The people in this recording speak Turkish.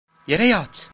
Yere yat!